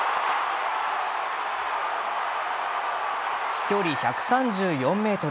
飛距離１３４ｍ。